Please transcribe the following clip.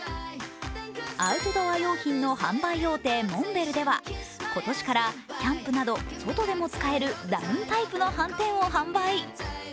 アウトドア用品の販売大手モンベルでは今年からキャンプなど外でも使えるダウンタイプのはんてんを販売。